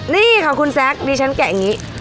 นี่ค่ะคุณแซคดิฉันแกะอย่างนี้